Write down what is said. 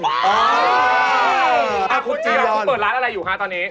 คุณเปิดร้านอะไรอยู่คะตอนนี้